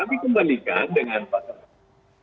tapi kembalikan dengan pak charlie